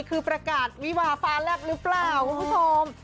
คือประกาศวิวาฟ้าแลบหรือเปล่าคุณผู้ชม